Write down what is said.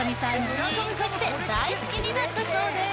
ジーンときて大好きになったそうです